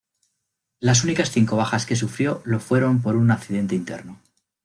Las únicas cinco bajas que sufrió lo fueron por un accidente interno.